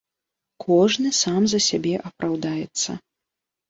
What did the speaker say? Кожны сам за сябе апраўдаецца.